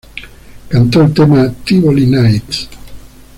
Cantó el tema "Tivoli Nights".